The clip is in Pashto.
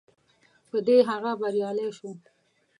په دې هغه بریالی شو.